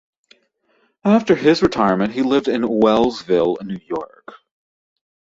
After his retirement he lived in Wellsville, New York.